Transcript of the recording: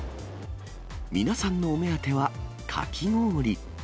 皆さんのお目当ては、かき氷。